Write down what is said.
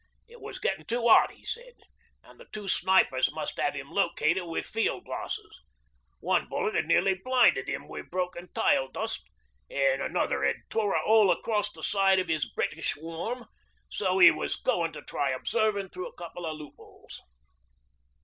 It was getting too hot, 'e said, an' the two snipers must 'ave 'im located wi' field glasses. One bullet 'ad nearly blinded 'im wi' broken tile dust, an' another 'ad tore a hole across the side of 'is "British warm"; so he was goin' to try observin' through a couple of loopholes.